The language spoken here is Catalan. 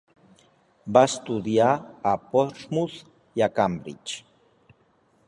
Va estudiar a Portsmouth i a Cambridge.